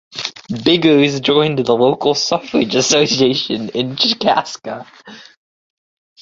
Biggers joined the local suffrage association in Chickasha.